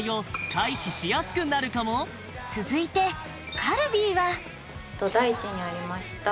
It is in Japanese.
これで続いてカルビーは第１位にありました